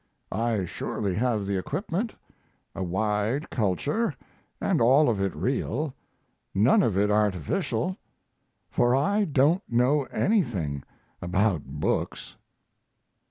I surely have the equipment, a wide culture, and all of it real, none of it artificial, for I don't know anything about books.